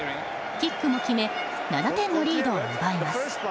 キックも決め７点のリードを奪います。